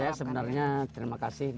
saya sebenarnya terima kasih